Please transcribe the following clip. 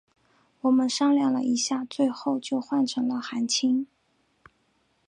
我们商量了一下最后就换成了韩青。